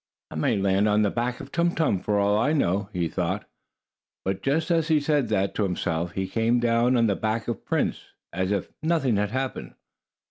"I may land on the back of Tum Tum, for all I know," he thought. But, just as he said that to himself, he came down on the back of Prince, as if nothing had happened.